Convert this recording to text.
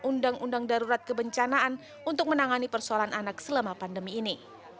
undang undang darurat kebencanaan untuk menangani persoalan anak selama pandemi ini